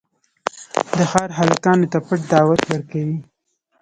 د ښار هلکانو ته پټ دعوت ورکوي.